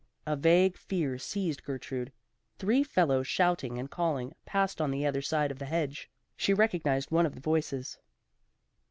A vague fear seized Gertrude. Three fellows shouting and calling, passed on the other side of the hedge; she recognized one of the voices.